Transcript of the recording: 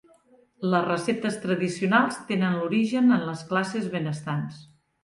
Les receptes tradicionals tenen l'origen en les classes benestants.